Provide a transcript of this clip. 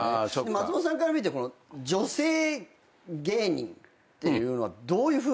松本さんから見て女性芸人っていうのはどういうふうに見てるんですか？